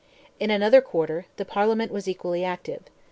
In another quarter, the Parliament was equally active.